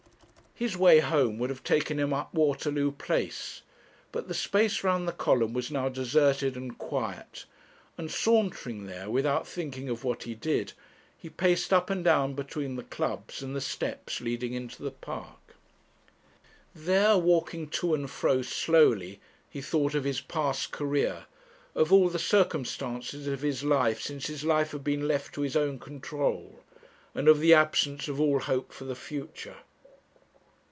His way home would have taken him up Waterloo Place, but the space round the column was now deserted and quiet, and sauntering there, without thinking of what he did, he paced up and down between the Clubs and the steps leading into the park. There, walking to and fro slowly, he thought of his past career, of all the circumstances of his life since his life had been left to his own control, and of the absence of all hope for the future.